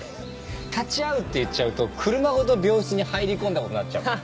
「立ち会う」って言っちゃうと車ごと病室に入り込んだことになっちゃうから。